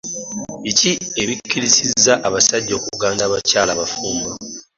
Biki ebisikirizaza abasajja okuganza abakyala abafumbo?